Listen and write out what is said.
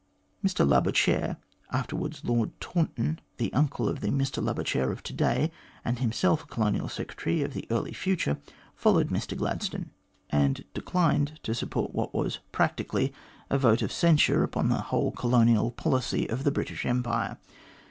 Mr Labouchere (afterwards Lord Taunton), the uncle of the Mr Labouchere of to day, and himself a Colonial Secretary of the early future, followed Mr Gladstone, and 248 THE GLADSTONE COLONY declined to support what was practically a vote of censure upon the whole colonial policy of the British Empire.